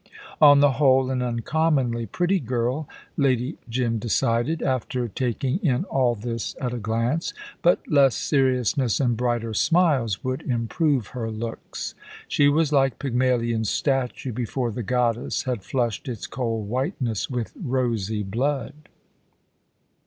On the whole an uncommonly pretty girl, Lady Jim decided, after taking in all this at a glance, but less seriousness and brighter smiles would improve her looks. She was like Pygmalion's statue before the goddess had flushed its cold whiteness with rosy blood.